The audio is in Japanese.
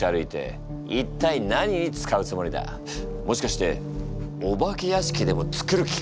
もしかしてお化け屋敷でも作る気か？